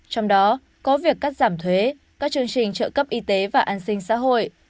trong đó có việc cắt giảm thuế các chương trình trợ cấp y tế và an sinh xã hội